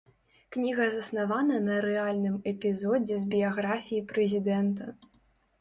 Кніга заснавана на рэальным эпізодзе з біяграфіі прэзідэнта.